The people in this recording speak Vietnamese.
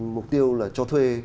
mục tiêu là cho thuê